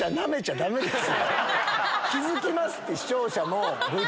気付きますって視聴者も。